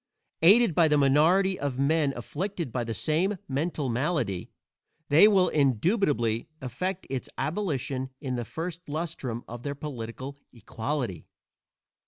Aided by the minority of men afflicted by the same mental malady, they will indubitably effect its abolition in the first lustrum of their political "equality."